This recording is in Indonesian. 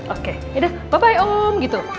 oke ya udah bye bye om gitu